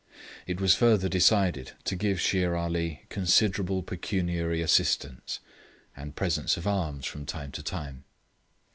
It was further decided to give Shere Ali considerable pecuniary assistance, and presents of arms from time to time.